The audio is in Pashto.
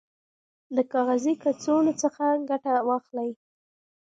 د کاغذي کڅوړو څخه ګټه واخلئ.